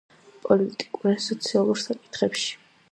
პოლიტიკურ ან სოციალურ საკითხებში.